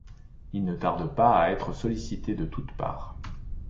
Elle ne tarde pas à être sollicitée de toutes parts.